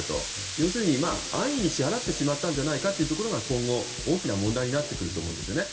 要するに安易に支払ってしまったんじゃないかが今後、大きな問題になってくると思うんですよね。